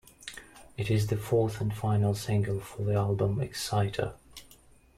It is the fourth and final single for the album "Exciter".